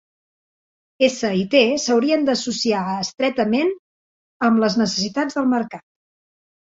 S i T s'haurien d'associar estretament amb les necessitats del mercat.